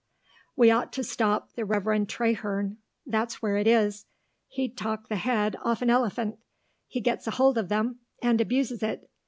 "We ought to stop the Reverend Traherne that's where it is. He'd talk the head off an elephant. He gets a hold of them, and abuses it.